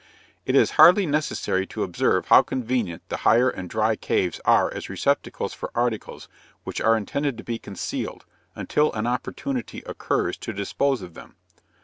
It is hardly necessary to observe how convenient the higher and dry caves are as receptacles for articles which are intended to be concealed, until an opportunity occurs to dispose of them.